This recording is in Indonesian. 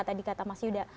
tadi kata mas yuda